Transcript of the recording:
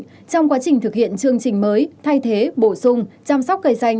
trong quá trình thực hiện chương trình mới thay thế bổ sung chăm sóc cây xanh